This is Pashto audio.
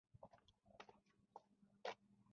د اسلامي پیوستون د دوه زره پنځویشتم کال سیالۍ